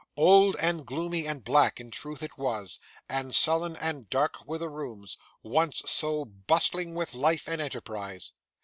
Old, and gloomy, and black, in truth it was, and sullen and dark were the rooms, once so bustling with life and enterprise.